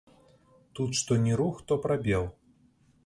Тут што ні рух, то прабел.